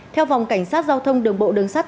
theo phòng cảnh sát giao thông đường bộ đường sắt